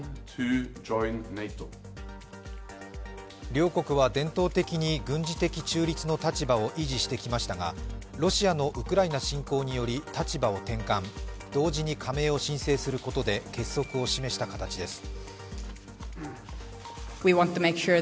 両国は伝統的に軍事的中立の立場を維持してきましたが、ロシアのウクライナ侵攻により立場を転換同時に加盟を申請することで結束を示した形です。